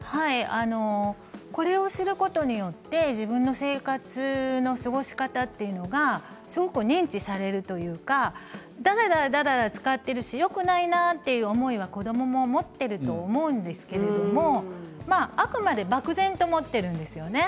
これをすることによって自分の生活の過ごし方というのが認知されるというかだらだら、だらだら使ってるしよくないなという思いは子どもも持っていると思うんですけどあくまで漠然と持っているんですよね。